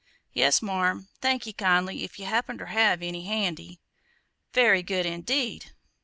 "Yes marm, thank ye kindly, if you happen ter have any handy." "Very good, indeed!